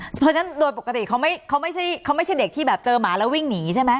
เพราะฉะนั้นโดยปกติเขาไม่ใช่เด็กที่แบบเจอหมาแล้ววิ่งหนีใช่ไหม